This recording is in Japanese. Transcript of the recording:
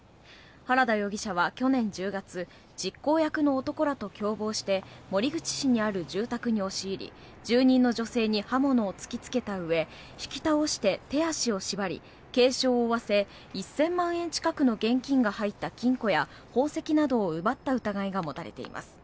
原田容疑者は去年１０月実行役の男らと共謀して守口市にある住宅に押し入り住人の女性に刃物を突きつけたうえ引き倒して手足を縛り軽傷を負わせ１０００万円近くの現金が入った金庫や宝石などを奪った疑いが持たれています。